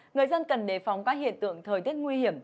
người dân cần đề phóng các hiện tượng thời tiết nguy hiểm